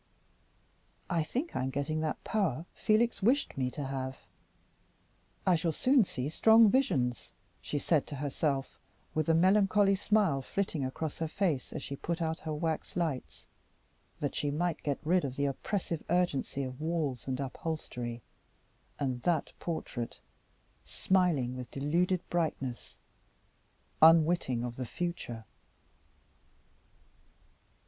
"I think I am getting that power Felix wished me to have: I shall soon see strong visions," she said to herself, with a melancholy smile flitting across her face, as she put out her wax lights that she might get rid of the oppressive urgency of walls and upholstery and that portrait smiling with deluded brightness, unwitting of the future.